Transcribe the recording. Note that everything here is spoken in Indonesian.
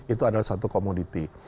itu adalah satu komoditi